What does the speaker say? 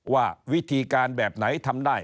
ว่าวิธีการแบบไหนทำได้